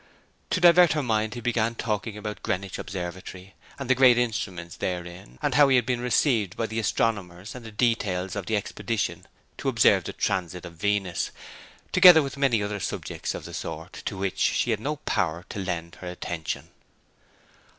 To divert her mind he began talking about Greenwich Observatory, and the great instruments therein, and how he had been received by the astronomers, and the details of the expedition to observe the Transit of Venus, together with many other subjects of the sort, to which she had not power to lend her attention.